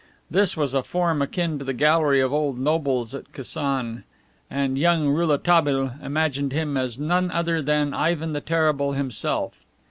This was a form akin to the gallery of old nobles at Kasan, and young Rouletabille imagined him as none other than Ivan the Terrible himself.